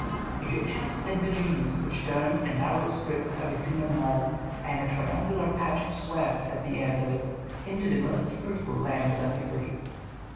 Egyptians had the genius which turned a narrow strip of Abyssinian mud and a triangular patch of swamp at the end of it into the most fruitful land of antiquity.